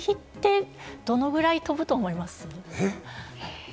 飛び火ってどのくらい飛ぶと思います？